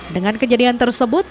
dengan kejadian tersebut